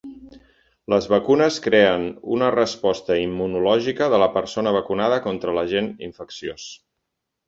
Les vacunes creen una resposta immunològica de la persona vacunada contra l'agent infecciós.